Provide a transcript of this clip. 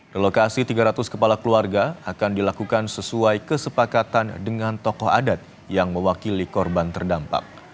relokasi tiga ratus kepala keluarga akan dilakukan sesuai kesepakatan dengan tokoh adat yang mewakili korban terdampak